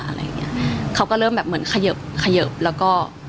อะไรอย่างเงี้ยเขาก็เริ่มแบบเหมือนเขยิบเขยิบแล้วก็